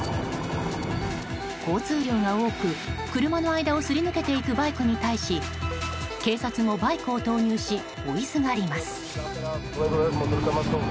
交通量が多く、車の間をすり抜けていくバイクに対し警察もバイクを投入し追いすがります。